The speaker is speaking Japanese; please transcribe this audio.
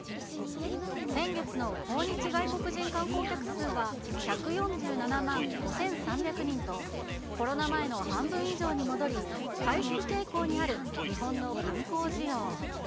先月の訪日外国人観光客数は、１４７万５３００人と、コロナ前の半分以上に戻り、回復傾向にある日本の観光需要。